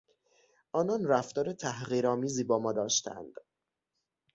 آنان رفتار تحقیرآمیزی با ما داشتند.